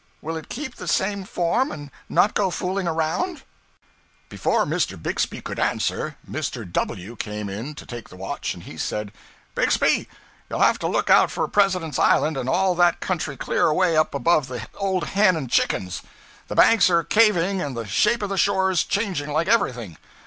Will it keep the same form and not go fooling around?' Before Mr. Bixby could answer, Mr. W came in to take the watch, and he said 'Bixby, you'll have to look out for President's Island and all that country clear away up above the Old Hen and Chickens. The banks are caving and the shape of the shores changing like everything.